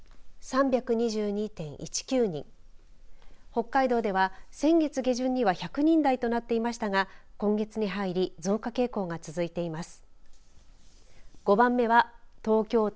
北海道では、先月下旬には１００人台となっていましたが今月に入り増加傾向が続いています。